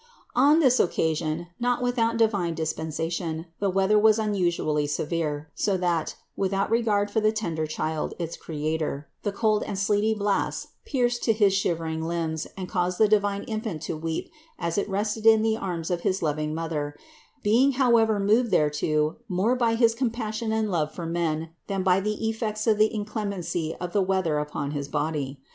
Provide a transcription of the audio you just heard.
590. On this occasion, not without divine dispensation, the weather was unusually severe, so that, without regard for the tender Child, its Creator, the cold and sleety blasts pierced to his shivering limbs and caused the divine Infant to weep as it rested in the arms of his loving Mother, being however moved thereto more by his com passion and love for men than by the effects of the in clemency of the weather upon his body.